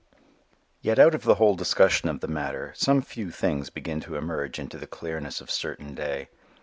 Yet out of the whole discussion of the matter some few things begin to merge into the clearness of certain day.